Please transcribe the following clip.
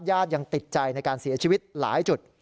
ยังติดใจในการเสียชีวิตหลายจุด